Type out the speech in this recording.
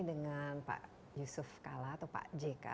dengan pak yusuf kala atau pak jk